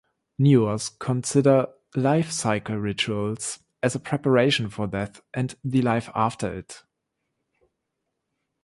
Newars consider life-cycle rituals as a preparation for death and the life after it.